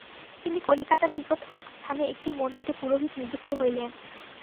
তিনি কলিকাতার নিকট এক স্থানে একটি মন্দিরে পুরোহিত নিযুক্ত হইলেন।